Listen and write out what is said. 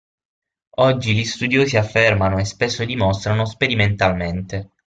Oggi gli studiosi affermano e spesso dimostrano sperimentalmente.